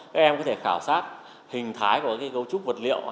các em có thể khảo sát hình thái của cấu trúc vật liệu